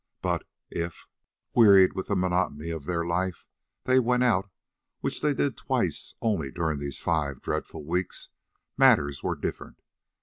But if, wearied with the monotony of their life, they went out, which they did twice only during these five dreadful weeks, matters were different.